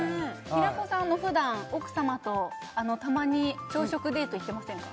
平子さんふだん奥様とたまに朝食デート行ってませんか？